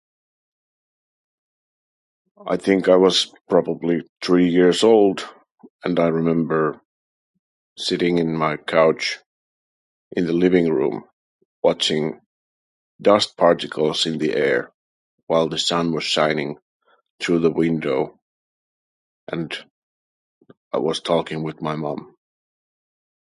I think I was probably three years old, and I remember sitting in my couch in the living room, watching dust particles in the air while the sun was shining through the window, and I was talking with my mom.